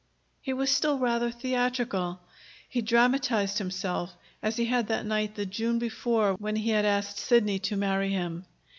He was still rather theatrical. He dramatized himself, as he had that night the June before when he had asked Sidney to marry him.